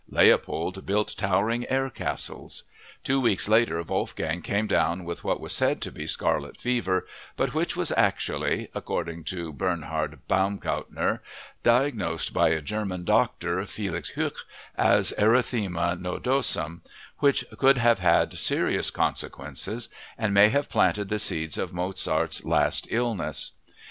Leopold built towering air castles. Two weeks later Wolfgang came down with what was said to be scarlet fever but which was actually (according to Bernhard Paumgartner) diagnosed by a German doctor, Felix Huch, as "erythema nodosum," which could have had serious consequences and may have planted the seeds of Mozart's last illness.